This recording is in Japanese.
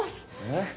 え？